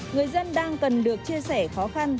người dân đang cần được chia sẻ khó khăn